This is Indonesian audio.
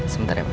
sebentar ya pak